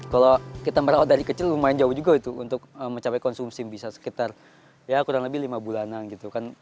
kalau kita merawat dari kecil lumayan jauh juga untuk mencapai konsumsi bisa sekitar kurang lebih lima bulanan